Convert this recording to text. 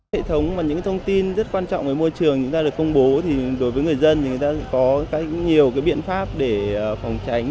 hệ thống và những thông tin rất quan trọng về môi trường được công bố đối với người dân thì người ta có nhiều biện pháp để phòng tránh